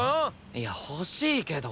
いや欲しいけど。